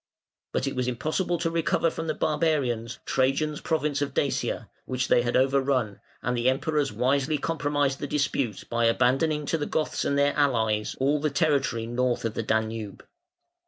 But it was impossible to recover from the barbarians Trajan's province of Dacia, which they had overrun, and the Emperors wisely compromised the dispute by abandoning to the Goths and their allies all the territory north of the Danube.